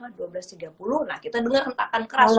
nah kita denger rentakan keras nah kita denger rentakan keras